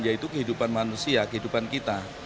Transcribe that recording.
yaitu kehidupan manusia kehidupan kita